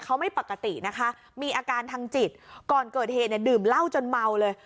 เขาไม่ปกตินะคะมีอาการทางจิตก่อนเกิดเหตุเนี่ยดื่มเหล้าจนเมาเลย